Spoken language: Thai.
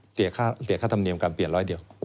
เสียค่าธรรมเนียมการเปลี่ยนร้อยเดียว